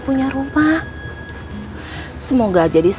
kamu t mask serius